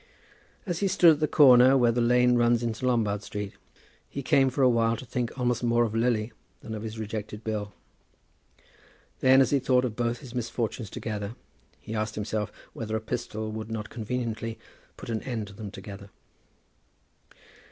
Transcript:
As he stood at the corner where the lane runs into Lombard Street, he came for a while to think almost more of Lily than of his rejected bill. Then, as he thought of both his misfortunes together, he asked himself whether a pistol would not conveniently put an end to them together.